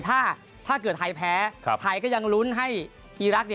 ถ้าเกิดไทยแพ้ไทยก็ยังลุ้นให้อีรักษ์